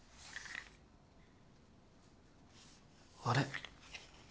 あれ？